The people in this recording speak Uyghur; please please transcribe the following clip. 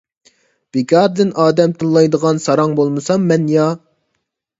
بىكاردىن ئادەم تىللايدىغان ساراڭ بولمىسام مەن-يا.